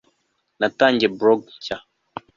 natangiye blog nshya